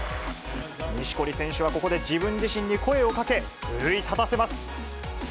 錦織選手はここで自分自身に声をかけ、奮い立たせます。